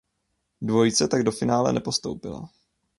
Dvojice tak do finále nepostoupila.